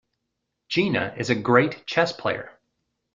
Gina is a great chess player.